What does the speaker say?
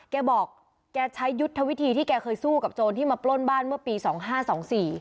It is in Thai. แกบอกแกใช้ยุทธวิธีที่แกเคยสู้กับโจรที่มาปล้นบ้านเมื่อปีสองห้าสองสี่